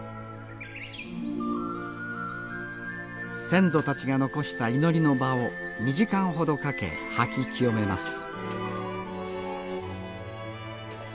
先祖たちが残した祈りの場を２時間ほどかけ掃き清めます